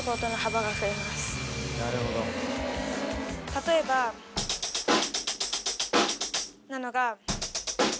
例えば。なのが。